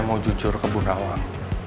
mau jujur ke bunda wang